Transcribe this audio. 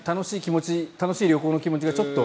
楽しい旅行の気持ちがちょっと。